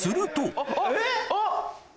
あっ！